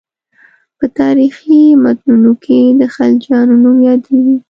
په تاریخي متونو کې د خلجیانو نوم یادېږي.